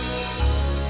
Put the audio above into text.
kita tidak pernah mengerti